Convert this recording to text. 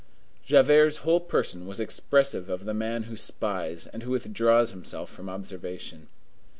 Javert's whole person was expressive of the man who spies and who withdraws himself from observation.